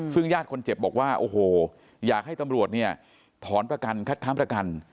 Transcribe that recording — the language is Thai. ซึ่งญาติคนเจ็บบอกว่าโอ้โหอยากให้ตำรวจเนี่ยถอนประกันคัดค้างประกัน